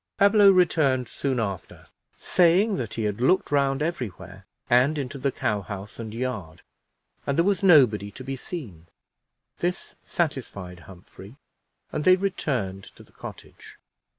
Pablo returned soon after, saying that he had looked round every where, and into the cow house and yard, and there was nobody to be seen. This satisfied Humphrey, and they returned to the cottage.